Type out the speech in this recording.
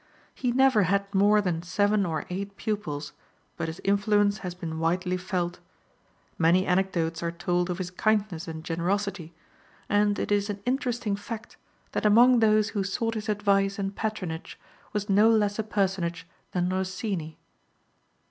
He never had more than seven or eight pupils, but his influence has been widely felt. Many anecdotes are told of his kindness and generosity, and it is an interesting fact that among those who sought his advice and patronage was no less a personage than Rossini.